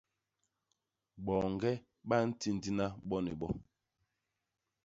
Boñge ba ntindna bo ni bo.